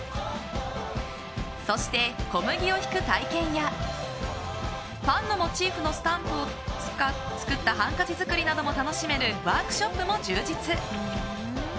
そして小麦をひく体験やパンのモチーフのスタンプを使ったハンカチ作りなども楽しめるワークショップも充実。